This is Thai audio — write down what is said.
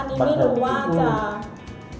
อันนี้ไม่รู้ว่าจะ